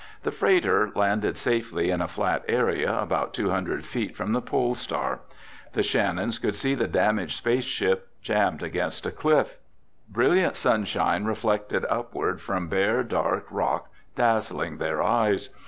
The freighter landed safely in a flat area about two hundred feet from the Pole Star. The Shannons could see the damaged space ship jammed against a cliff. Brilliant sunshine reflected upward from bare dark rock, dazzling their eyes.